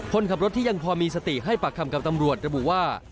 คนขับรถที่ยังพอมีสติให้ปากคำกับตำรวจระบุว่า